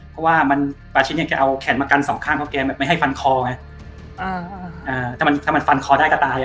เพราะว่าปาชินแกเอาแขนมากันสองข้างของแกไม่ให้ฟันคอถ้ามันฟันคอได้ก็ตาย